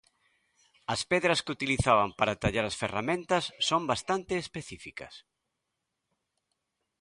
As pedras que utilizaban para tallar as ferramentas son bastante específicas.